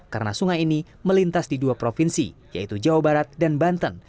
karena sungai ini melintas di dua provinsi yaitu jawa barat dan banten